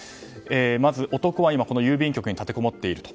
まず男は今この郵便局に立てこもっていると。